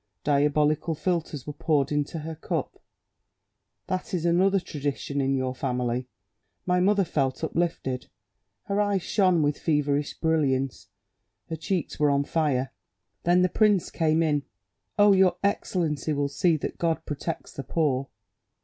Diabolical philtres were poured into her cup; that is another tradition in your family. My mother felt uplifted, her eyes shone with feverish brilliance, her cheeks were on fire. Then the prince came in—oh! your excellency will see that God protects the poor.